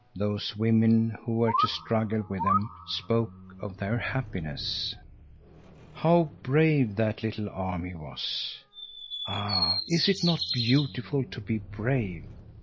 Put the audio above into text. Those women, who were to struggle with them, spoke of their happiness. How brave that little army was! Ah, is it not beautiful to be brave?